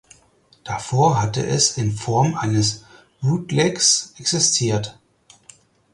Davor hatte es in Form eines Bootlegs existiert.